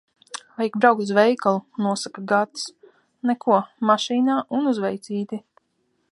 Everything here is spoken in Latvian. "Vajag braukt uz veikalu," nosaka Gatis. Neko, mašīnā un uz veicīti.